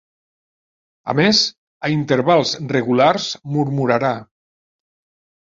A més, a intervals regulars murmurarà.